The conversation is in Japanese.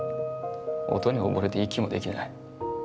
音に溺れて息もできない。